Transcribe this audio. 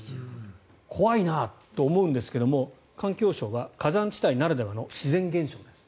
怖いなと思うんですが環境省は火山地帯ならではの自然現象ですと。